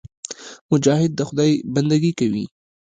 مجاهد د خدای بندګي کوي.